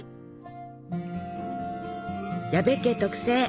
矢部家特製！